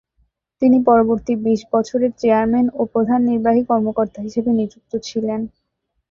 তিনি পরবর্তী বিশ বছর এর চেয়ারম্যান ও প্রধান নির্বাহী কর্মকর্তা হিসাবে নিযুক্ত ছিলেন।